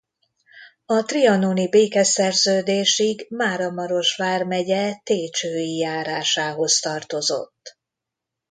A trianoni békeszerződésig Máramaros vármegye Técsői járásához tartozott.